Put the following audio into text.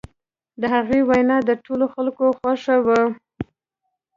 د هغه وینا د ټولو خلکو خوښه وه.